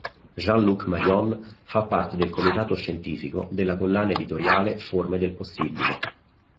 Jean-Luc Marion fa parte del Comitato Scientifico della collana editoriale "Forme del possibile.